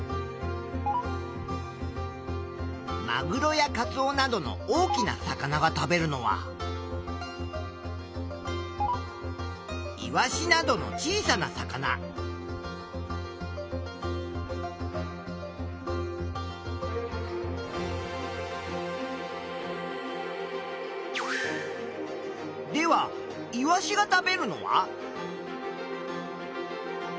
マグロやカツオなどの大きな魚が食べるのはイワシなどの小さな魚。ではイワシが食べるのは？